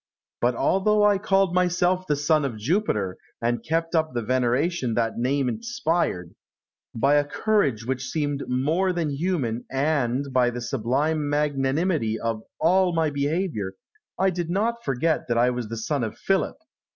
But though I called myself the son of Jupiter, and kept up the veneration that name inspired, by a courage which seemed more than human, and by the sublime magnanimity of all my behaviour, I did not forget that I was the son of Philip.